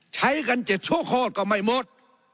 ใช้กัน๗ชั่วโคตรก็ไม่หมด